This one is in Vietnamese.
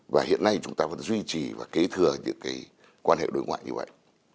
và hiện nay chúng ta vẫn duy trì và kế thừa những cái quan hệ đối ngoại như vậy